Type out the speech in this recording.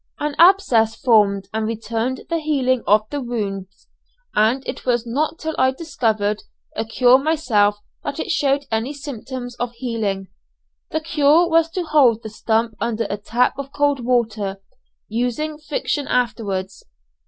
An abscess formed and retarded the healing of the wounds and it was not till I discovered a cure myself that it showed any symptoms of healing. The cure was to hold the stump under a tap of cold water, using friction afterwards.